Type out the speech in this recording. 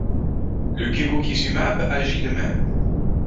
Le gevokizumab agit de même.